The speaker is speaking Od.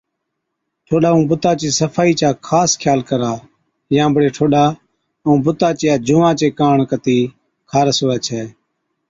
ٺوڏا ائُون بُتا چِي صفائِي چا خاص خيال ڪرا يان بڙي ٺوڏا ائُون بُتا چِيا جُونئان چي ڪاڻ ڪتِي خارس هُوَي ڇَي